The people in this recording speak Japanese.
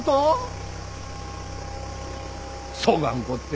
そがんこっで。